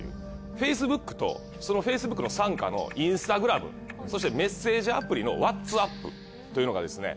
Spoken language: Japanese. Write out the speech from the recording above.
フェイスブックとそのフェイスブックの傘下のインスタグラムそしてメッセージアプリのワッツアップというのがですね